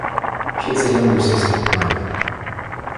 She has a younger sister, Myra.